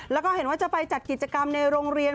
แล้วก็เห็นว่าจะไปจัดกิจกรรมในโรงเรียน